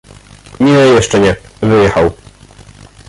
"„Nie, jeszcze nie; wyjechał“."